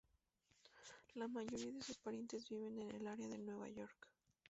La mayoría de sus parientes viven en el área de Nueva York.